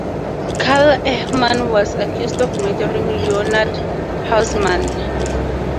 Karl Ehmann was accused of murdering Leonhard Hausmann.